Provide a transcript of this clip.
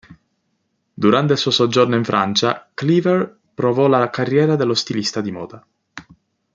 Durante il suo soggiorno in Francia, Cleaver provò la carriera dello stilista di moda.